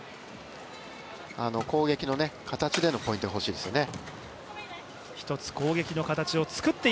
攻撃の形でのポイントがほしいですよね。